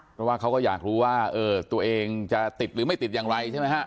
เพราะว่าเขาก็อยากรู้ว่าตัวเองจะติดหรือไม่ติดอย่างไรใช่ไหมฮะ